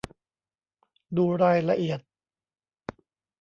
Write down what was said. ดูรายละเอียด